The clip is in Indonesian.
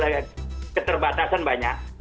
memang keterbatasan banyak